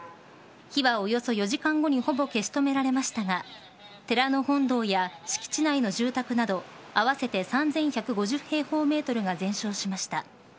火はおよそ４時間後にほぼ消し止められましたが寺の本堂や敷地内の住宅など合わせて３１５０平方ｍが全焼しました。